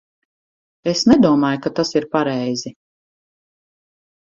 Es nedomāju, ka tas ir pareizi!